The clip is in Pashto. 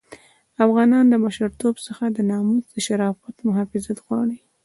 افغانان له مشرتوب څخه د ناموس د شرافت محافظت غواړي.